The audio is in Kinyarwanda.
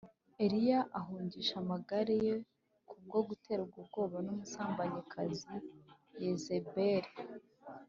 , Eliya ahungisha amagara ye kubwo guterwa ubwoba n’umusambanyikazi Yezebeli